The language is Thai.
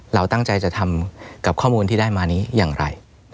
เราตั้งใจจะทำกับข้อมูลที่ได้มานี้อย่างไร